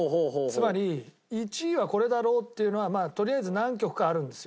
つまり１位はこれだろうっていうのはとりあえず何曲かあるんですよ